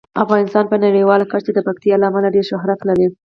افغانستان په نړیواله کچه د پکتیکا له امله ډیر شهرت لري.